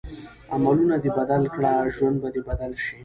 عملونه دې بدل کړه ژوند به دې بدل شي.